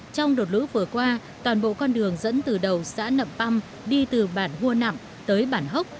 trong đợt lũ vừa qua toàn bộ con đường dẫn từ đầu xã nậm păm đi từ bản hua nậm tới bản hốc